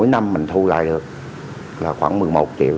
mỗi năm mình thu lại được là khoảng một mươi một triệu